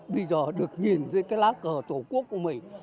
bây giờ được nhìn dưới cái lá cờ tổ quốc của mình